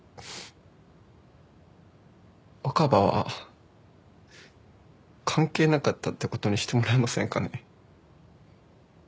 若葉は関係なかったって事にしてもらえませんかね？